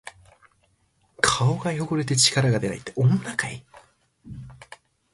顔が汚れて力がでないって、女かい！